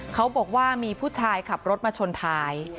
เขาบอกว่ามีผู้ชายขับรถมาชนท้าย